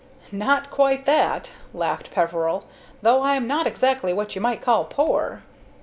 "Not quite that," laughed Peveril, "though I am not exactly what you might call poor."